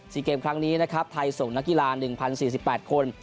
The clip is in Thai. เกมครั้งนี้นะครับไทยส่งนักกีฬา๑๐๔๘คน